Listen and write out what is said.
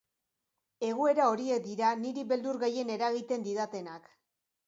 Egoera horiek dira niri beldur gehien eragiten didatenak.